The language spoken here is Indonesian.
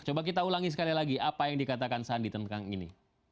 coba kita ulangi sekali lagi apa yang dikatakan sandi tentang ini